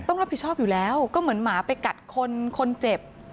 ต้องรับผิดชอบอยู่แล้วก็เหมือนหมาไปกัดคนคนเจ็บ